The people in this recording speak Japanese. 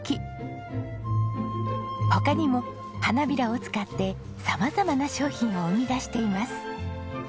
他にも花びらを使って様々な商品を生み出しています。